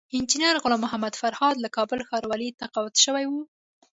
انجينر غلام محمد فرهاد له کابل ښاروالۍ تقاعد شوی وو